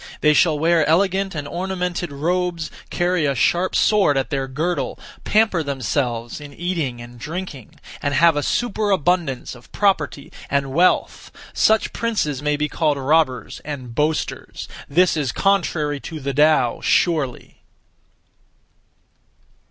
They shall wear elegant and ornamented robes, carry a sharp sword at their girdle, pamper themselves in eating and drinking, and have a superabundance of property and wealth; such (princes) may be called robbers and boasters. This is contrary to the Tao surely!